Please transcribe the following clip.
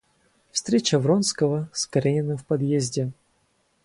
Встреча Вронского с Карениным в подъезде.